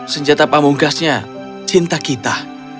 senjata pamungkasnya cinta kita